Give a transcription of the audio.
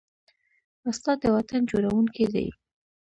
استاد د وطن جوړوونکی دی.